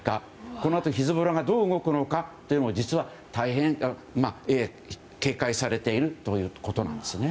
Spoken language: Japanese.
この辺り、ヒズボラがどう動くのか実は大変、警戒されているということなんですね。